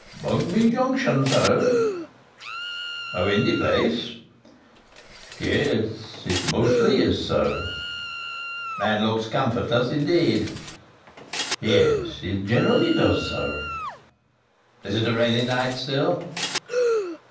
"Mugby Junction, sir." "A windy place!" "Yes, it mostly is, sir." "And looks comfortless indeed!" "Yes, it generally does, sir." "Is it a rainy night still?"